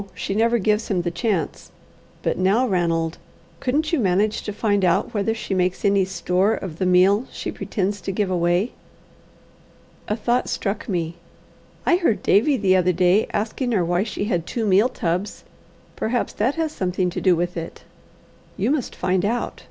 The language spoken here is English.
She never gives him the chance. But now, Ranald, couldn't you manage to find out whether she makes any store of the meal she pretends to give away?" A thought struck me. "I heard Davie the other day asking her why she had two meal tubs: perhaps that has something to do with it." "You must find out.